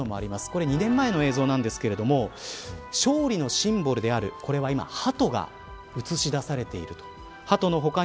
これ２年前の映像なんですけれども勝利のシンボルであるハトが映し出されている。